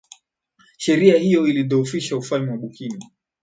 sera hiyo ilidhoofisha ufalme wa bukini